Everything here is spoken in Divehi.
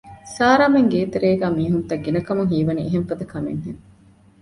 ސާރާމެން ގޭތެރޭގައި މީހުންތައް ގިނަކަމުން ހީވަނީ އެހެން ފަދަ ކަމެއް ހެން